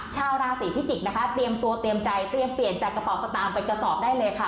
ชาวราศีพิจิกษ์นะคะเตรียมตัวเตรียมใจเตรียมเปลี่ยนจากกระเป๋าสตางค์ไปกระสอบได้เลยค่ะ